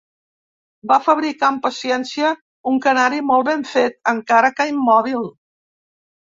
Va fabricar amb paciència un canari molt ben fet, encara que immòbil